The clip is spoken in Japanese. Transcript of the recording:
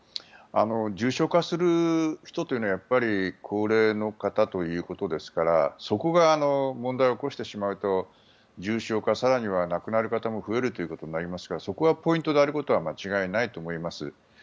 重症化する人というのはやっぱり高齢の方ということですからそこが問題を起こしてしまうと重症化、更には亡くなる方も増えるということになりますからそこがポイントになるということは間違いないと思います。